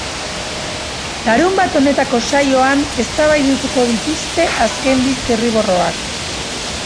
Larunbat honetako saioan eztabaidatuko dituzte azken bi zirriborroak.